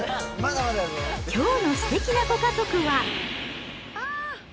きょうのすてきなご家族は。